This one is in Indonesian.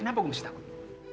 kenapa gue mesti takut